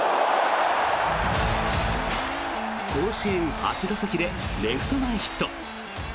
甲子園初打席でレフト前ヒット。